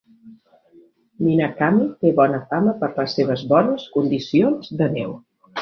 Minakami té bona fama per les seves bones condicions de neu.